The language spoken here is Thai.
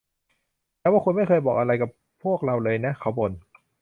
แต่ว่าคุณไม่เคยบอกอะไรกับพวกเราเลยนะ เขาบ่น